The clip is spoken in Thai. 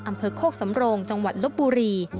อำเภอโคกสำโรงจังหวัดลบบุรี